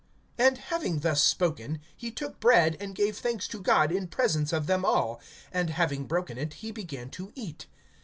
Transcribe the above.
(35)And having thus spoken, he took bread, and gave thanks to God in presence of them all; and having broken it, he began to eat.